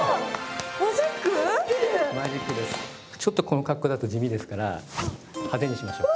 ちょっとこの格好だと地味ですから派手にしましょう。